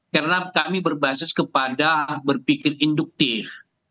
karena kami berbasis kepada berpikir induktif